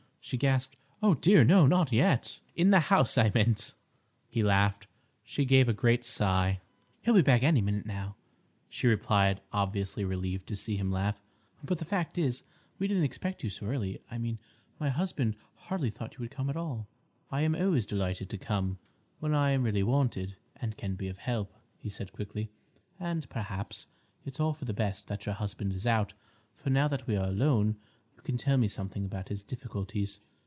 she gasped. "Oh dear, no—not yet!" "In the house, I meant," he laughed. She gave a great sigh. "He'll be back any minute now," she replied, obviously relieved to see him laugh; "but the fact is, we didn't expect you so early—I mean, my husband hardly thought you would come at all." "I am always delighted to come—when I am really wanted, and can be of help," he said quickly; "and, perhaps, it's all for the best that your husband is out, for now that we are alone you can tell me something about his difficulties.